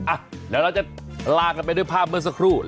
อ่ะเดี๋ยวเราจะลากันไปด้วยภาพเมื่อสักครู่